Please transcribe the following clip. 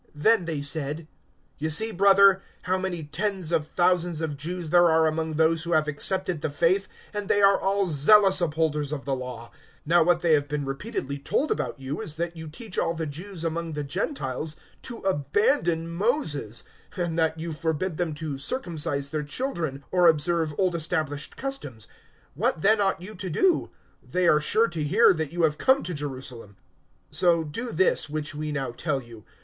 Then they said, "You see, brother, how many tens of thousands of Jews there are among those who have accepted the faith, and they are all zealous upholders of the Law. 021:021 Now what they have been repeatedly told about you is that you teach all the Jews among the Gentiles to abandon Moses, and that you forbid them to circumcise their children or observe old established customs. 021:022 What then ought you to do? They are sure to hear that you have come to Jerusalem; 021:023 so do this which we now tell you.